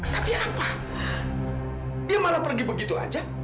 tapi apa dia malah pergi begitu aja